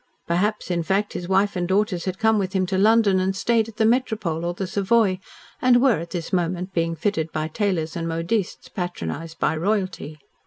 Perhaps, in fact, his wife and daughters had come with him to London and stayed at the Metropole or the Savoy, and were at this moment being fitted by tailors and modistes patronised by Royalty.